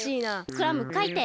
クラムかいて。